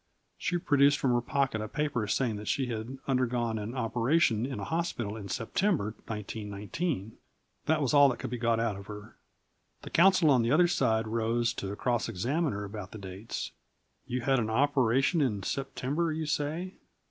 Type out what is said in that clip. She produced from her pocket a paper saying that she had undergone an operation in a hospital in September 1919. That was all that could be got out of her. The counsel on the other side rose to cross examine her about the dates. "You had an operation in September, you say.